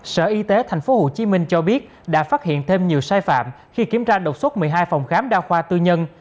sở y tế tp hcm cho biết đã phát hiện thêm nhiều sai phạm khi kiểm tra đột xuất một mươi hai phòng khám đa khoa tư nhân